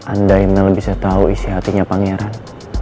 andai mel bisa tau isi hatinya pangeran